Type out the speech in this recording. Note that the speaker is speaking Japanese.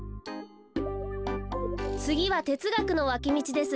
つぎはてつがくのわきみちです。